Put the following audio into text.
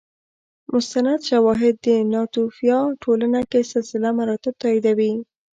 مستند شواهد د ناتوفیا ټولنه کې سلسله مراتب تاییدوي